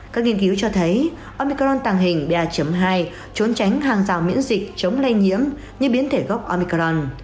các nghiên cứu cho thấy omicron tàng hình ba hai trốn tránh hàng rào miễn dịch chống lây nhiễm như biến thể gốc omicron